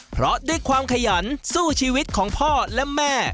เพราะด้วยความขยันสู้ชีวิตของพ่อและแม่